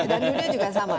dan dunia juga sama